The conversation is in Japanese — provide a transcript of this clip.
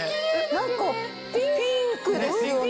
何かピンクですよね？